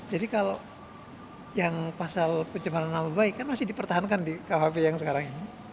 jadi kalau yang pasal pencembangan nama baik kan masih dipertahankan di rkuhp yang sekarang ini